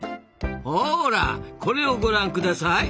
ほらこれをご覧下さい。